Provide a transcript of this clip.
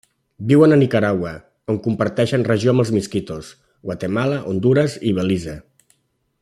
Viuen a Nicaragua –on comparteixen regió amb els miskitos–, Guatemala, Hondures i Belize.